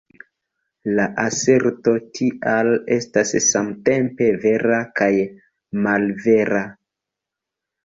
La aserto tial estas samtempe vera kaj malvera”.